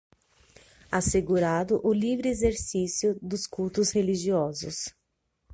assegurado o livre exercício dos cultos religiosos